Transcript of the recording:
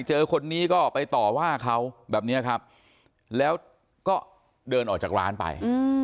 เจอคนนี้ก็ไปต่อว่าเขาแบบนี้ครับแล้วก็เดินออกจากร้านไป